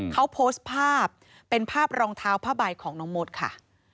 เขาโพสต์ภาพเป็นภาพรองเท้าผ้าใบของน้องมดค่ะ